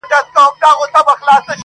څه نرګس نرګس را ګورې څه غنچه غنچه ږغېږې,